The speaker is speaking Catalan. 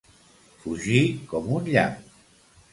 Fugir com un llamp.